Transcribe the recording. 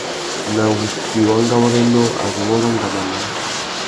Nà wussi wa ngawôrénô, a zu wôrrô ngama naā.